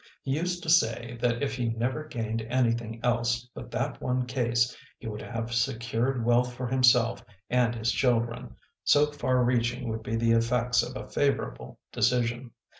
He used to say that if he never gained anything else but that one case he would have secured wealth for himself and his children, so far reaching would be the effects of a favorable decision.